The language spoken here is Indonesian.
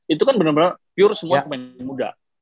itu kan bener bener pure semua pemain muda